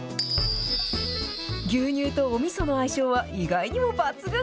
牛乳とおみその相性は、意外にも抜群。